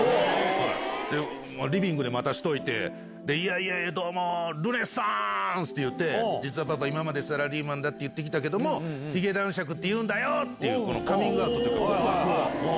で、リビングで待たしといて、いやいや、どうも、ルネッサンスって言って、実はパパ、今までサラリーマンだって言ってきたけど、髭男爵っていうんだよって、カミングアウトというか、告白を。